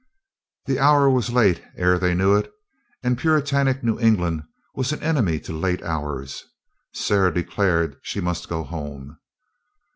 The hour was late ere they knew it, and Puritanic New England was an enemy to late hours. Sarah declared she must go home.